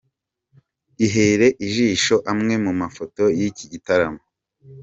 Ihere Ijisho amwe mu mafoto y’iki gitaramo.